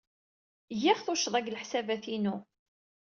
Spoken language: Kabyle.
Giɣ tuccḍa deg leḥsabat-inu.